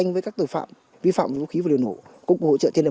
giảm đi nhiều một tí